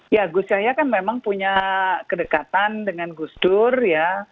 ya gus yahya kan memang punya kedekatan dengan gus dur ya